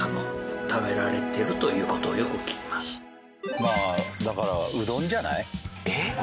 まあだからうどんじゃない？えっ？